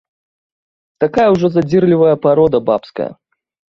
Такая ўжо задзірлівая парода бабская.